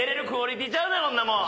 こんなもん！